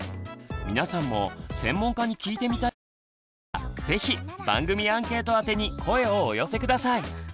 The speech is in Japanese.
皆さんも専門家に聞いてみたいことがあったら是非番組アンケート宛てに声をお寄せ下さい。